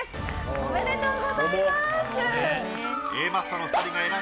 おめでとうございます。